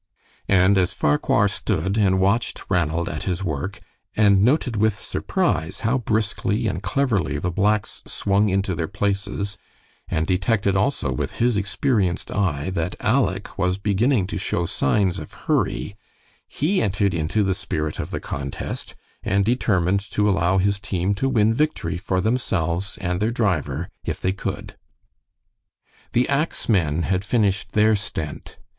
And as Farquhar stood and watched Ranald at his work, and noted with surprise how briskly and cleverly the blacks swung into their places, and detected also with his experienced eye that Aleck was beginning to show signs of hurry, he entered into the spirit of the contest, and determined to allow his team to win victory for themselves and their driver if they could. The ax men had finished their "stent."